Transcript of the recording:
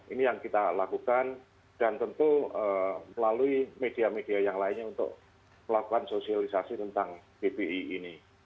ini yang kita lakukan dan tentu melalui media media yang lainnya untuk melakukan sosialisasi tentang bbi ini